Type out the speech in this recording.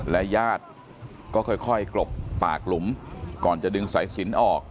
และญาติก็ค่อยกลบปากหลุมก่อนจะดึงสายสินออก